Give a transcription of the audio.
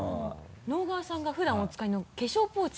直川さんが普段お使いの化粧ポーチ。